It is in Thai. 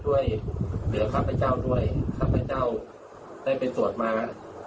ช่วยเหลือข้าพเจ้าด้วยข้าพเจ้าได้ไปสวดมา